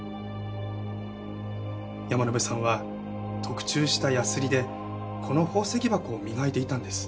山野辺さんは特注したヤスリでこの宝石箱を磨いていたんです。